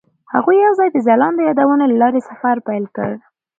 هغوی یوځای د ځلانده یادونه له لارې سفر پیل کړ.